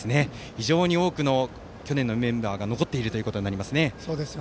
非常に多く、去年のメンバーが残っていることになりますね。